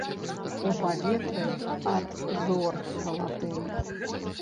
У паветры ад зор залатым.